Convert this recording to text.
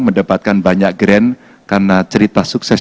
mendapatkan banyak grand karena cerita sukses